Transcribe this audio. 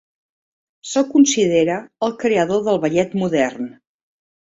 Se'l considera el creador del ballet modern.